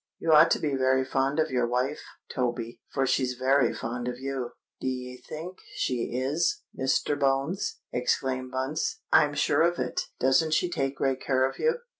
"You ought to be very fond of your wife, Toby—for she's very fond of you." "D'ye think she is, Mr. Bones?" exclaimed Bunce. "I'm sure of it. Doesn't she take great care of you?"